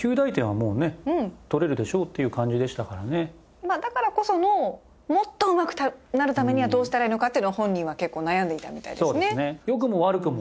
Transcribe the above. まあだからこそのもっとうまくなるためにはどうしたらいいのかっていうのは本人は結構悩んでいたみたいですね。